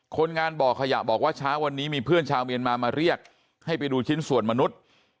คนงานบ่อขยะบอกว่าเช้าวันนี้มีเพื่อนชาวเมียนมามาเรียกให้ไปดูชิ้นส่วนมนุษย์